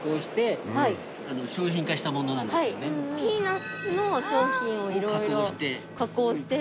ピーナッツの商品をいろいろ加工している。